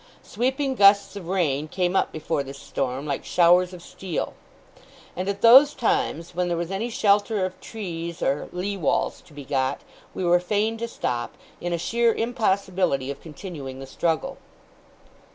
Sweeping gusts of rain came up before this storm, like showers of steel; and, at those times, when there was any shelter of trees or lee walls to be got, we were fain to stop, in a sheer impossibility of continuing the struggle.